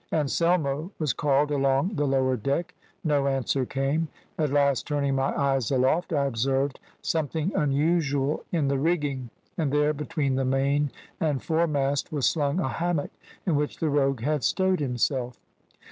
`Anselmo!' was called along the lower deck; no answer came. At last, turning my eyes aloft I observed something unusual in the rigging, and there between the main and foremast was slung a hammock, in which the rogue had stowed himself.